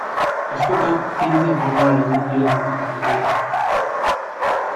Askotan zientzia formalarekin identifikatzen dira.